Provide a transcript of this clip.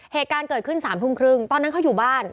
เหตุการณ์เกิดขึ้น๓ทุ่มครึ่งตอนนั้นเขาอยู่บ้าน